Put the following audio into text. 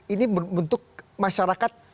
ini bentuk masyarakat